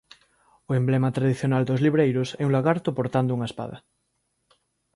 O emblema tradicional dos libreiros é un lagarto portando unha espada.